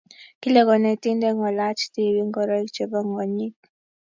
Kile konetindet ngolaach tibiik ngoroik chebo gonyit